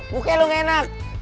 bukanya lo gak enak